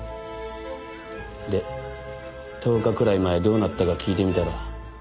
で１０日くらい前どうなったか聞いてみたら。